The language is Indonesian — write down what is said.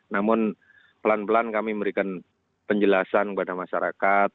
namun pelan pelan kami memberikan penjelasan kepada masyarakat